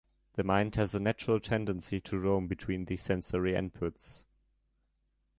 The mind has a natural tendency to roam between the sensory inputs.